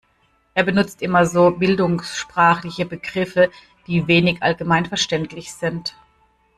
Er benutzt immer so bildungssprachliche Begriffe, die wenig allgemeinverständlich sind.